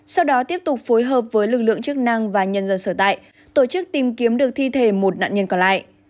sau đó tiếp tục phối hợp với lực lượng chức năng và nhân dân sở tại tổ chức tìm kiếm được thi thể một nạn nhân còn lại